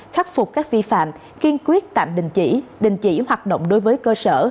khắc phục các vi phạm kiên quyết tạm đình chỉ đình chỉ hoạt động đối với cơ sở